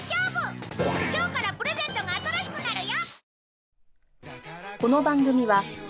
今日からプレゼントが新しくなるよ！